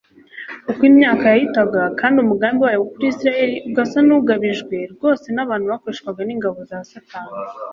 uko imyaka yahitaga kandi umugambi wayo kuri isirayeli ugasa n'ugwabijwe rwose n'abantu bakoreshwaga n'ingabo za satani